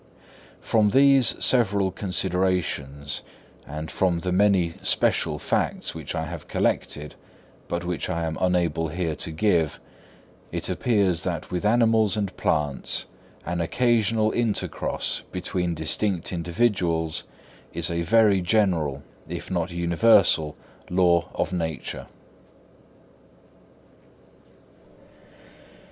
From these several considerations and from the many special facts which I have collected, but which I am unable here to give, it appears that with animals and plants an occasional intercross between distinct individuals is a very general, if not universal, law of nature.